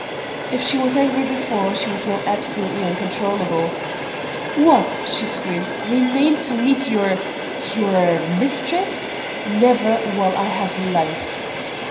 If she was angry before she was now absolutely uncontrollable. "What?" she screamed. "Remain to meet your your mistress? Never, while I have life!"